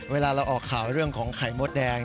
เวลาเราออกข่าวเรื่องของไข่มดแดง